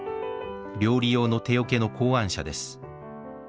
料理用手桶の考案者です。